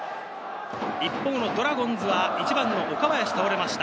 一方のドラゴンズは１番・岡林が倒れました。